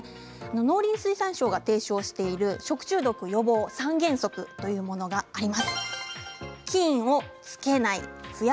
農林水産省が提唱している食中毒予防の３原則があります。